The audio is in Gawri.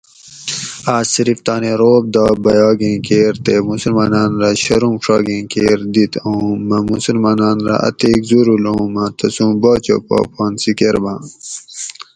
آس صرف تانی رعب داب بیاگیں کیر تے مسلمانان رہ شرم ڛاگیں کیر دِت اوں مہ مسلمانان رہ اتیک زورول اوں مہ تسوں باچہ پا پھانسی کرباۤں